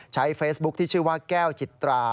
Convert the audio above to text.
ใช้เฟซบุ๊คที่ชื่อว่าแก้วจิตรา